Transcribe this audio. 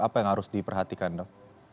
apa yang harus diperhatikan dok